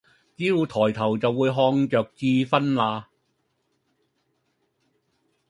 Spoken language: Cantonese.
只要抬頭就會看著智勳啦！